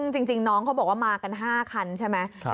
จริงน้องเขาบอกว่ามากัน๕คันใช่ไหม